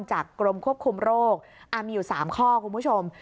กรมควบคุมโรคมีอยู่๓ข้อคุณผู้ชม